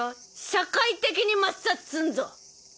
社会的に抹殺すんぞ！